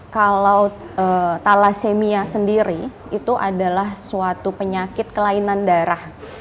kalau thalassemia sendiri itu adalah suatu penyakit kelainan darah